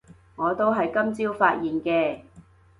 我都係今朝發現嘅